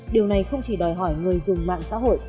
điều này không chỉ đòi hỏi người dùng mạng xã hội